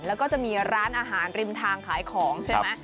แล้วก็จะมีร้านอาหารริมทางขายของใช่ไหม